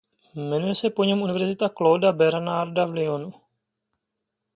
Jmenuje se po něm Univerzita Clauda Bernarda v Lyonu.